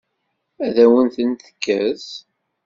Ad awen-ten-tekkes?